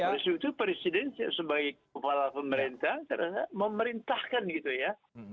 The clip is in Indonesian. terus itu presiden sebagai kepala pemerintah memerintahkan gitu ya